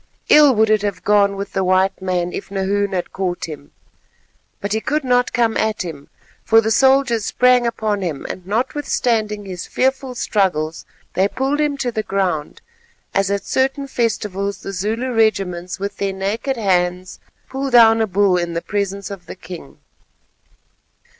Ill would it have gone with the white man if Nahoon had caught him. But he could not come at him, for the soldiers sprang upon him and notwithstanding his fearful struggles they pulled him to the ground, as at certain festivals the Zulu regiments with their naked hands pull down a bull in the presence of the king.